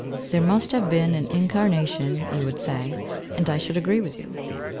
There must have been an incarnation, you would say; and I should agree with you.